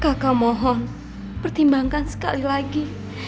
kakak mohon pertimbangkan sekali lagi